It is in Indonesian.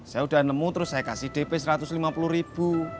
saya sudah nemu terus saya kasih dp satu ratus lima puluh ribu